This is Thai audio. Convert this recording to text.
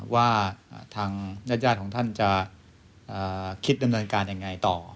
ว่าทางญาติของท่านจะคิดดำเนินการยังไงต่อ